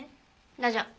ラジャー。